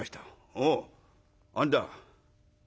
「おお何だ？」。